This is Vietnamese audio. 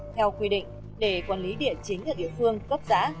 theo quy định để quản lý địa chính ở địa phương cấp xã